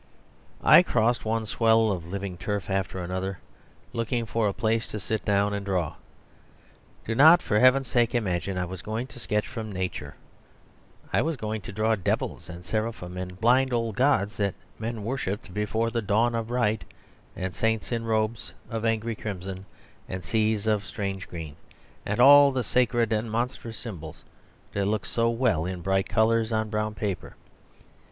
I crossed one swell of living turf after another, looking for a place to sit down and draw. Do not, for heaven's sake, imagine I was going to sketch from Nature. I was going to draw devils and seraphim, and blind old gods that men worshipped before the dawn of right, and saints in robes of angry crimson, and seas of strange green, and all the sacred or monstrous symbols that look so well in bright colours on brown paper.